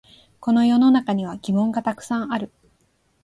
この世の中には疑問がたくさんある